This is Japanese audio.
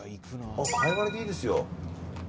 カイワレでいいですよ。